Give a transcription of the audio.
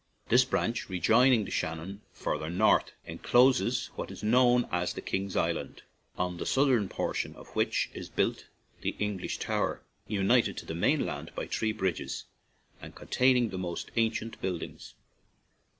This branch, rejoining the Shannon far ther north, encloses what is known as the King's Island, on the southern por tion of which is built the English Town, united to the mainland by three bridges, and containing the most ancient build 120 LIMERICK ings.